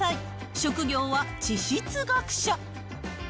職業は地質学者。